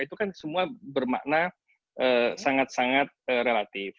itu kan semua bermakna sangat sangat relatif